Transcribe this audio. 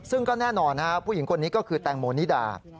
ซึ่งก็แน่นอนผู้หญิงคนนี้ก็คือแตงโมนิดา